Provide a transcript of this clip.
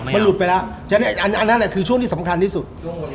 มันหลุดไปแล้วฉะนั้นอันนั้นคือช่วงที่สำคัญที่สุด